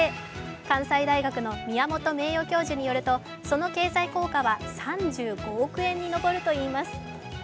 関西大学の宮本名誉教授によると、その経済効果は３５億円に上るといいます。